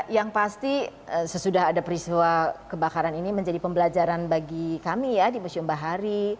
yang pasti sesudah ada peristiwa kebakaran ini menjadi pembelajaran bagi kami ya di museum bahari